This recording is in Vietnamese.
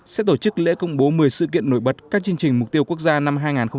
sẽ tổ chức lễ công bố một mươi sự kiện nổi bật các chương trình mục tiêu quốc gia năm hai nghìn một mươi tám